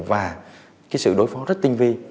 và sự đối phó rất tinh vi